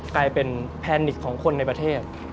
กลายเป็นแพนิกของคนในประเทศ